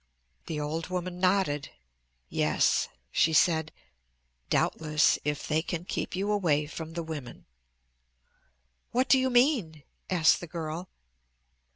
The old woman nodded. "Yes," she said, "doubtless; if they can keep you away from the women." "What do you mean?" asked the girl.